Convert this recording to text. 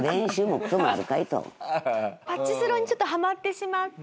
パチスロにちょっとハマってしまって。